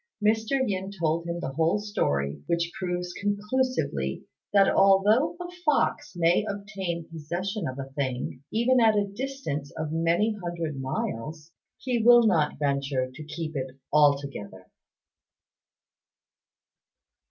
Mr. Yin told him the whole story, which proves conclusively that although a fox may obtain possession of a thing, even at a distance of many hundred miles, he will not venture to keep it altogether.